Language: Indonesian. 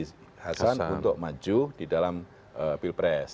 zul hasan untuk maju di dalam pilpres